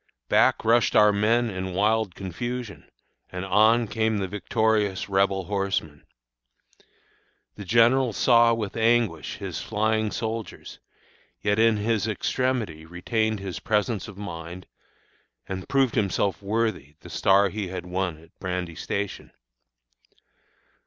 Back rushed our men in wild confusion, and on came the victorious Rebel horsemen. The general saw, with anguish, his flying soldiers, yet in his extremity retained his presence of mind, and proved himself worthy the star he had won at Brandy Station.